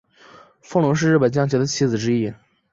风龙是日本将棋的棋子之一。